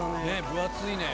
分厚いね。